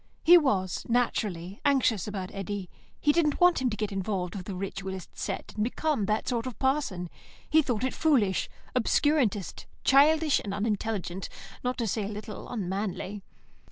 He was, naturally, anxious about Eddy. He didn't want him to get involved with the ritualist set and become that sort of parson; he thought it foolish, obscurantist, childish, and unintelligent, not to say a little unmanly.